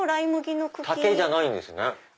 竹じゃないんですね。